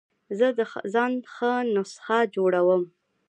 زه د ځان ښه نسخه جوړوم.